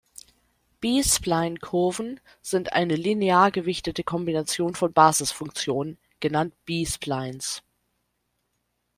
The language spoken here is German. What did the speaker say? B-Spline-Kurven sind eine linear gewichtete Kombination von Basisfunktionen, genannt "B-Splines.